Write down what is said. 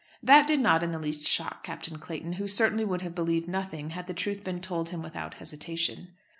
That did not in the least shock Captain Clayton, who certainly would have believed nothing had the truth been told him without hesitation.